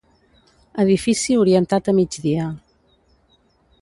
Edifici orientat a migdia.